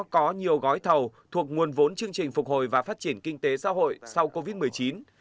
có nhiều gói thầu thuộc nguồn vốn chương trình phục hồi và phát triển kinh tế xã hội sau covid một mươi chín